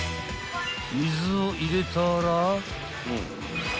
［水を入れたら］